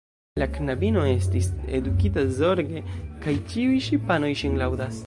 La knabino estis edukita zorge, kaj ĉiuj ŝipanoj ŝin laŭdas.